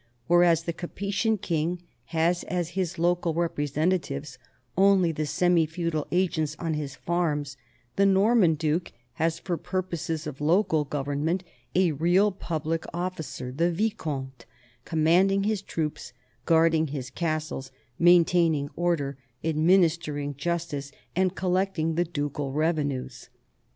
Whereas the Capetian king has as his local representa tives only the semi feudal agents on his farms, the Nor man duke has for purposes of local government a real public officer, the vicomte, commanding his troops, guard ing his castles, maintaining order, administering jus tice, and collecting the ducal revenues.